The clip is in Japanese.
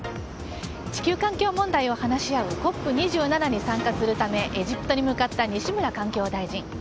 地球環境問題を話し合うＣＯＰ２７に参加するためエジプトに向かった西村環境大臣。